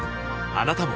あなたも